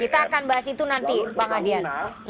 kita akan bahas itu nanti bang adian